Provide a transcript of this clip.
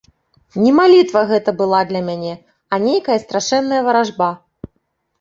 Не малітва гэта была для мяне, а нейкая страшэнная варажба.